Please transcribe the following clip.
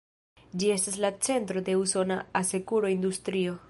Ĝi estas la centro de usona asekuro-industrio.